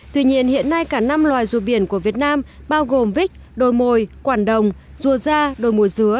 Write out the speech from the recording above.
tuy nhiên hiện nay cả năm loài rùa biển của việt nam bao gồm vích đồi mồi quản đồng rùa da đồi mồi dứa